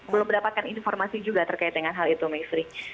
belum mendapatkan informasi juga terkait dengan hal itu mayfri